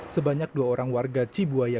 sebanyak dua orang warga cibuaya